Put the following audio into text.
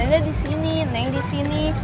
nenek disini neng disini